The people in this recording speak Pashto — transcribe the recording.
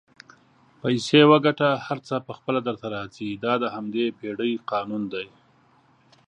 پیسې وګټه هر څه پخپله درته راځي دا د همدې پیړۍ قانون دئ